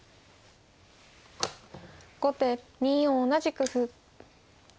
後手２四同じく歩。